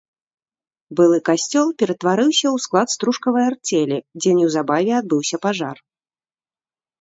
Былы касцёл ператварыўся ў склад стружкавай арцелі, дзе неўзабаве адбыўся пажар.